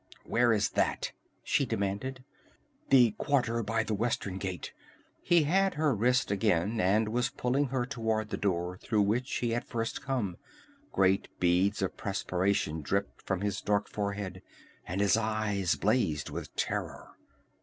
"Where is that?" she demanded. "The quarter by the western gate!" He had her wrist again and was pulling her toward the door through which he had first come. Great beads of perspiration dripped from his dark forehead, and his eyes blazed with terror.